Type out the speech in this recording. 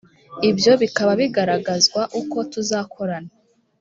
ibyo bikaba bigaragazwa uko tuzakorana